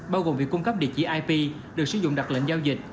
bao gồm việc cung cấp địa chỉ ip được sử dụng đặt lệnh giao dịch